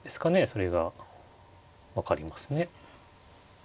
それが分かりますね。